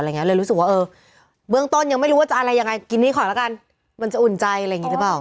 เลยรู้สึกว่าเออเบื้องต้นยังไม่รู้ว่าจะอะไรยังไงกินนี่ก่อนแล้วกันมันจะอุ่นใจอะไรอย่างนี้หรือเปล่า